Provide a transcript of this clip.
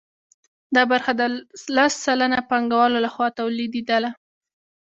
دا برخه د لس سلنه پانګوالو لخوا تولیدېدله